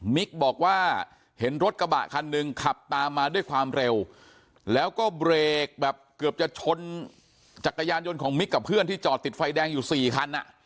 บอกว่าเห็นรถกระบะคันหนึ่งขับตามมาด้วยความเร็วแล้วก็เบรกแบบเกือบจะชนจักรยานยนต์ของมิกกับเพื่อนที่จอดติดไฟแดงอยู่สี่คันอ่ะ